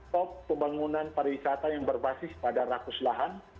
top pembangunan pariwisata yang berbasis pada